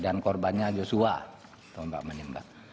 dan korbannya joshua tembak menembak